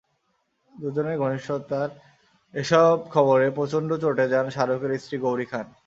দুজনের ঘনিষ্ঠতার এসব খবরে প্রচণ্ড চটে যান শাহরুখের স্ত্রী গৌরী খান।